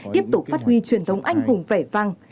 tiếp tục phát huy truyền thống anh hùng vẻ vang